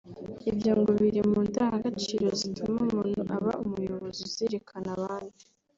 Ibyo ngo biri mu ndangagaciro zituma umuntu aba umuyobozi uzirikana abandi